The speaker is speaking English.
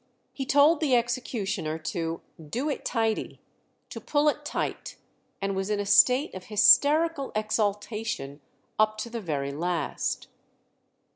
He told the executioner to "do it tidy," to pull it tight, and was in a state of hysterical exaltation up to the very last.